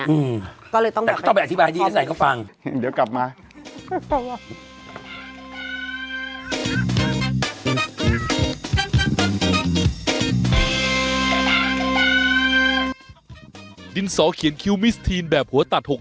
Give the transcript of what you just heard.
แต่ก็ต้องไปอธิบายที่ไหนก็ฟัง